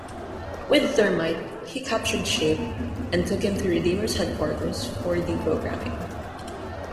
With Thermite, he captured Shape and took him to Redeemers headquarters for deprogramming.